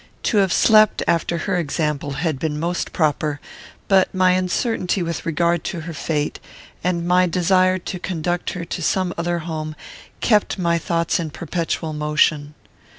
To have slept, after her example, had been most proper; but my uncertainty with regard to her fate, and my desire to conduct her to some other home, kept my thoughts in perpetual motion.